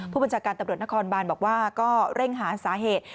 ผู้บัญชาการตำรวจนครบานบอกว่าก็เร่งหาสาเหตุ